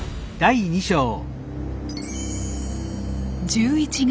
１１月。